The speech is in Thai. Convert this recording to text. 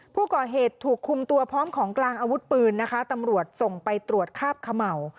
ผู้ก่อเหตุถูกคุมตัวพร้อมของกลางอาวุธปืนนะคะตำรวจส่งไปตรวจคาบเขม่า